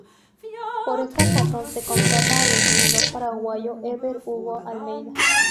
Por esta razón se contrata al entrenador paraguayo Ever Hugo Almeida.